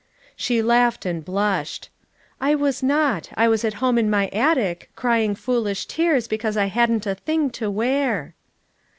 She laughed and blushed. "I was not; I was at homo in my attic, crying foolish tears because I hadn't a thing to wear."